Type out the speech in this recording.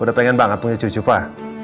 udah pengen banget punya cucu pak